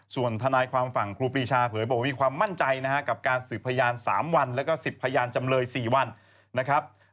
ส่วนทนายความฝั่งครูปีชาเผยบอกว่ามีความมั่นใจนะครับกับการสืบพยาน๓วันแล้วก็๑๐พยานจำเลย๔วันนะครับ